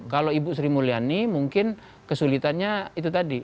kalau ibu sri mulyani mungkin kesulitannya itu tadi